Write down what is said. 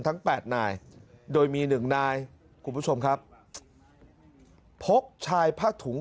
ทั้ง๘นายโดยมี๑นายคุณผู้ชมครับพบชายผ้าถุง